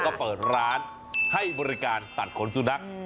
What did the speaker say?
ก็เปิดร้านให้บริการตัดขนสุนัข